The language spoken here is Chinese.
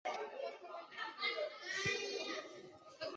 现代郦学家陈桥驿将程大昌列为宋代的两大郦学家之一。